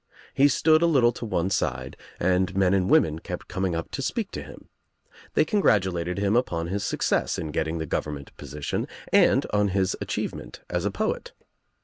He stood a little to one side and men and women kept coming up to speak to him. They congratulated him upon his success in getting the government position and on his achievement as a poet.